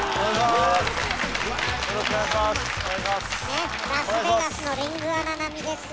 ねっラスベガスのリングアナ並みですよ。